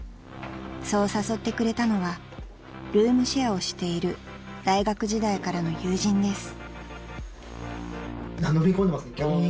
［そう誘ってくれたのはルームシェアをしている大学時代からの友人です］